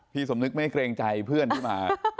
สมนึกไม่เกรงใจเพื่อนที่มา